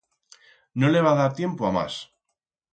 No le va dar tiempo a mas.